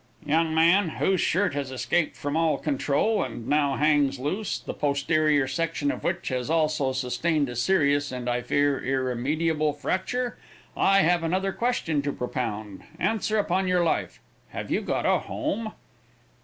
"Young man, whose shirt has escaped from all control, and now hangs loose, the posterior section of which has also sustained a serious, and, I fear, irremediable fracture, I have another question to propound; answer upon your life. Have you got a home?"